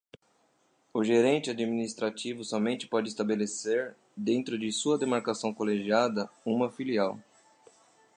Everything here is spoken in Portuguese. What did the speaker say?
O gerente administrativo somente pode estabelecer, dentro de sua demarcação colegiada, uma filial.